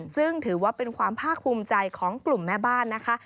ซึ่งถือว่าเป็นความภาคภูมิใจของกลุ่มแม่บ้านนะคะ